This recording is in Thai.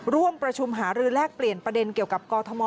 ร่วมประชุมหารือแลกเปลี่ยนประเด็นเกี่ยวกับกอทม